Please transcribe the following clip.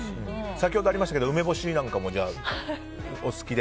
先ほどありましたが梅干しもお好きで。